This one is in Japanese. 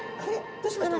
どうしました？